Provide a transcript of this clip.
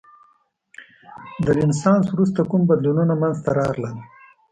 د رنسانس وروسته کوم بدلونونه منځته راغلل؟